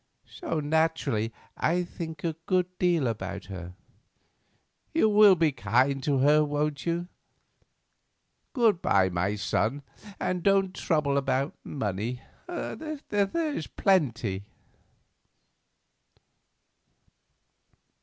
So naturally I think a good deal about her. You will be kind to her, won't you? Good bye, my son, and don't trouble about money; there's plenty."